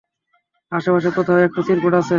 আশেপাশে কোথাও একটা চিরকুট আছে?